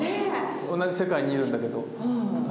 同じ世界にいるんだけど。